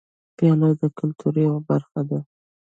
پیاله د کلتور یوه برخه ده.